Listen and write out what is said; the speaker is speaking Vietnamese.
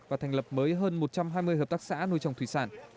và thành lập mới hơn một trăm hai mươi hợp tác xã nuôi trồng thủy sản